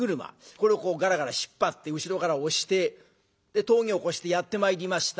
これをガラガラ引っ張って後ろから押して峠を越してやって参りました